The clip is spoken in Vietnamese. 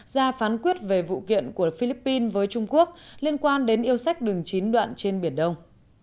ra phán quyết về vụ kiện của philippines với trung quốc liên quan đến yêu sách đường chín đoạn trên biển đông